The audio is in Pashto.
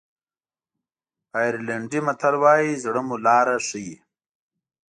آیرلېنډي متل وایي زړه مو لاره ښیي.